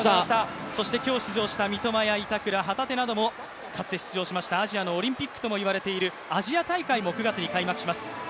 今日出場した三笘や板倉、旗手なども、かつて出場しましたアジアのオリンピックといわれるアジア大会も９月に開幕します。